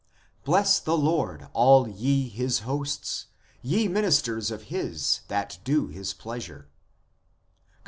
Bless the Lord, all ye His hosts ; ye ministers of His that do His pleasure," cp.